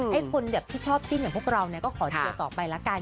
ให้คนแบบที่ชอบจิ้นอย่างพวกเราก็ขอเชียร์ต่อไปละกัน